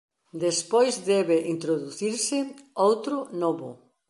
Despois debe introducirse outro novo.